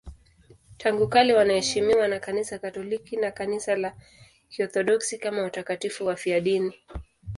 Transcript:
Tangu kale wanaheshimiwa na Kanisa Katoliki na Kanisa la Kiorthodoksi kama watakatifu wafiadini.